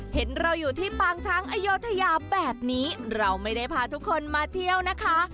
เห็นเราอยู่ที่ปางช้างอโยธยาแบบนี้เราไม่ได้พาทุกคนมาเที่ยวนะคะ